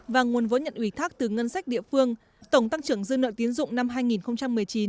và nguồn vốn nhận ủy thác từ ngân sách địa phương tổng tăng trưởng dư nợ tiến dụng năm hai nghìn một mươi chín